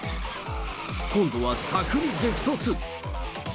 今度は柵に激突。